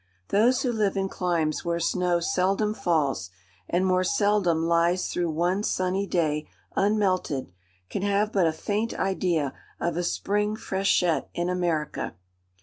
Those who live in climes where snow seldom falls, and more seldom lies through one sunny day unmelted, can have but a faint idea of a spring freshet in America.